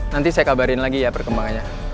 nanti saya kabarin lagi ya perkembangannya